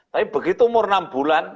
tapi begitu umur enam bulan